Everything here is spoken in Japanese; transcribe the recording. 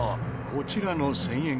こちらの１０００円